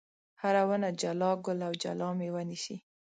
هره ونه جلا ګل او جلا مېوه نیسي.